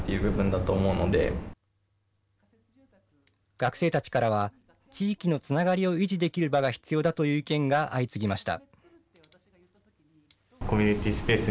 学生たちからは、地域のつながりを維持できる場が必要だという意見が相次ぎました。